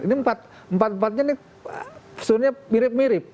ini empat empatnya nih pesunnya mirip mirip